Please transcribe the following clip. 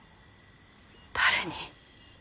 誰に？